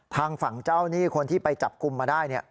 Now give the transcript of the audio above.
ทางฝั่งเจ้านี่คนที่ไปจับคุมมาได้เนี่ย